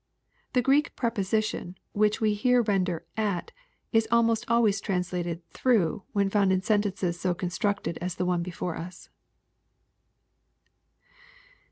] The Greek preposition which we here ren der " at," is almost always translated " through," when found in sentences so constructed as the one before us.